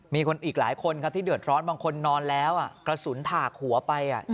มีคนอีกหลายคนครับที่เดือดร้อนบางคนนอนแล้วกระสุนถากหัวไป